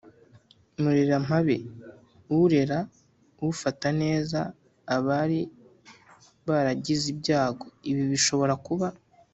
Murerampabe: urera, ufata neza abari baragize ibyago. Ibi bishobora kuba